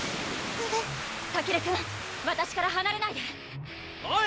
うぅたけるくんわたしからはなれないでおい